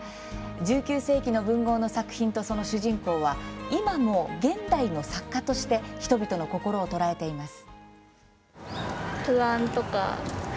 １９世紀の文豪の作品とその主人公は今も現代の作家として人々の心を捉えています。